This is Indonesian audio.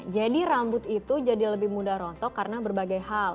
jadi rambut itu jadi lebih mudah rontok karena berbagai hal